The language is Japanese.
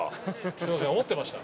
すいません思ってました。